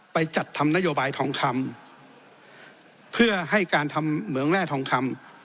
จัดทำนโยบายทองคำเพื่อให้การทำเหมืองแร่ทองคำ